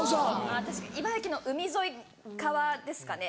確かに茨城の海沿い側ですかね。